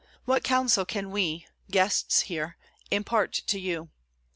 What counsel can we, guests here, impart to you?